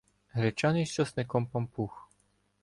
Гречаний з часником панпух.